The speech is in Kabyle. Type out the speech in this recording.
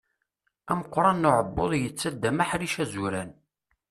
Ameqqran n uɛebbuḍ, yettaddam aḥric azuran.